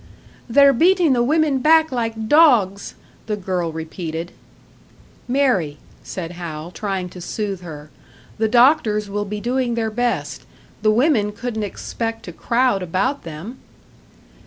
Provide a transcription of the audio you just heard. "They're beatin' the women back like dogs!" the girl repeated. "Mary," said Hal, trying to soothe her, "the doctors will be doing their best. The women couldn't expect to crowd about them!"